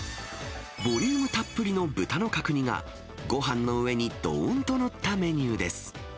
ボリュームたっぷりの豚の角煮が、ごはんの上にどーんと載ったメニューです。